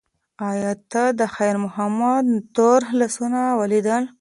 ایا تا د خیر محمد تور لاسونه ولیدل؟